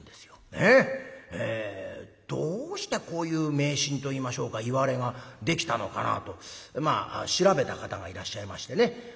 ねえ。どうしてこういう迷信といいましょうかいわれができたのかなあとまあ調べた方がいらっしゃいましてね。